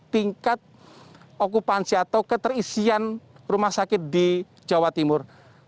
tingkat okupansi atau keterisian rumah sakit di jawa timur